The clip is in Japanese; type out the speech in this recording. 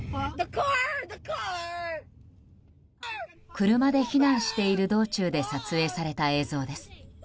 車で避難している道中で撮影された映像です。